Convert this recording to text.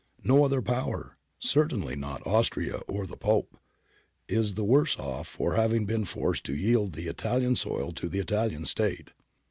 No other Power — certainly not Austria or the Pope — is the worse off for having been forced to yield the Italian soil to the Italian State.